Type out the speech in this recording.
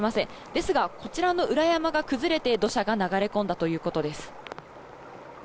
ですが、こちらの裏山が崩れて土砂が流れ込んだということです。